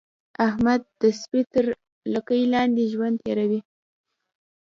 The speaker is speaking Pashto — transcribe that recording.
احمد د سپي تر لګۍ لاندې ژوند تېروي.